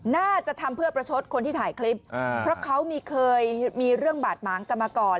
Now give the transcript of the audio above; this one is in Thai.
น่าจะทำเพื่อประชดคนที่ถ่ายคลิปเพราะเขาเคยมีเรื่องบาดหมางกันมาก่อน